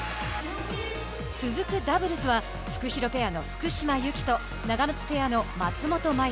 続くダブルスはフクヒロペアの福島由紀とナガマツペアの松本麻佑。